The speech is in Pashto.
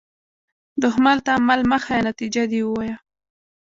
دښمن ته عمل مه ښیه، نتیجه دې ووایه